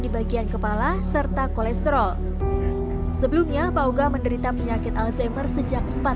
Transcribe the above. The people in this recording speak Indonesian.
di bagian kepala serta kolesterol sebelumnya paoga menderita penyakit alzheimer sejak empat